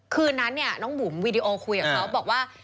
คืนนั้นเนี่ยน้องบุ๋มวีดีโอคุยกับเขาบอกว่า